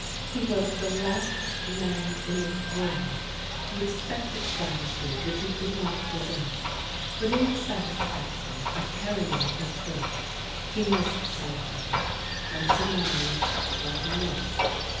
He was the last man in the world to expect a gratitude which he did not deserve; but in the satisfaction of carrying his point he missed something, and surmised what he missed.